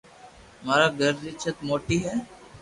مارآ گھر ري چت موتي ھي